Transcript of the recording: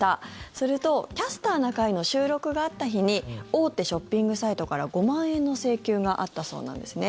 すると「キャスターな会」の収録があった日に大手ショッピングサイトから５万円の請求があったそうなんですね。